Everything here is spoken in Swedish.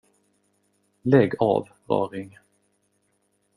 Lägg av, raring.